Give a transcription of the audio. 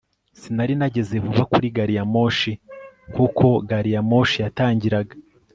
sinari nageze vuba kuri gari ya moshi nkuko gari ya moshi yatangiraga